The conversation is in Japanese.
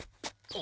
あ？